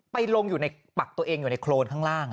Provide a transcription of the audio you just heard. ไปลงปักตัวเองอยู่ในโคนข้างล่าง